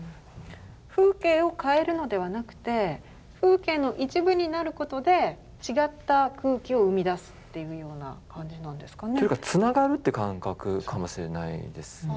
風景を変えるのではなくて風景の一部になることで違った空気を生み出すっていうような感じなんですかね。というかつながるって感覚かもしれないですね。